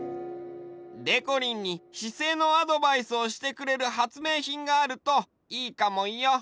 でこりんにしせいのアドバイスをしてくれるはつめいひんがあるといいかもよ。